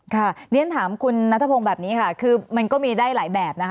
ในเอ้มถามคุณนัทพงษ์แบบนี้มันก็มีได้หลายแบบ